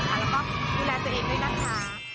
แล้วก็ดูแลตัวเองด้วยนะคะ